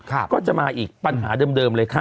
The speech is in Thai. ก็จะมาอีกปัญหาเดิมเลยค่ะ